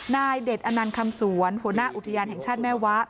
นายเด็ดอนันท์คำสวนหัวหน้าอุทยานแม่วะ